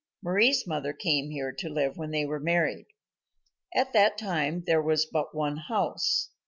Mari's mother came here to live when they were married. At that time there was but one house.